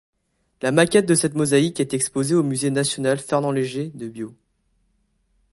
La maquette de cette mosaïque est exposée au musée national Fernand-Léger de Biot.